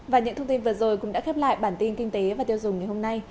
và những thông tin vừa rồi cũng đã khép lại bản tin kinh tế và tiêu dùng ngày hôm nay